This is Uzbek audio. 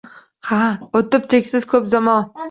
O’tib cheksiz ko’p zamon